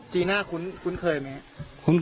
จีน่าคุณเคยไหม